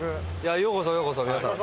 ようこそようこそ皆さん。